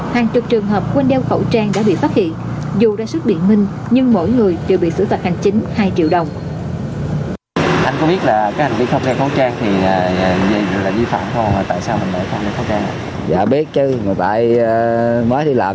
hàng chục trường hợp quên đeo khẩu trang đã bị phát hiện